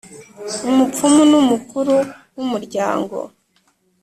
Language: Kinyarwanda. umupfumu n’umukuru w’umuryango,